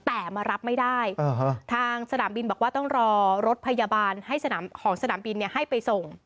แต่มารับไม่ได้ทางสนามบินบอกว่าต้องรอรถพยาบาลให้สนามของสนามบินให้ไปส่ง